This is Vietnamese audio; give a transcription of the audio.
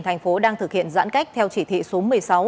thành phố đang thực hiện giãn cách theo chỉ thị số một mươi sáu